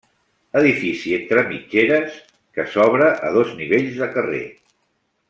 Edifici entre mitgeres, que s'obre a dos nivells de carrer.